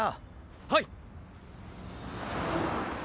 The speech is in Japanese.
はい！